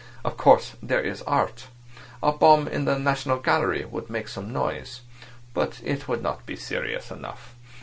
Of course, there is art. A bomb in the National Gallery would make some noise. But it would not be serious enough.